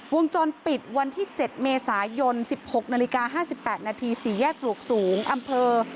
วงจรปิดวันที่๗เมษายน๑๖นาฬิกา๕๘นาที๔แยกปลวกสูงอำเภอ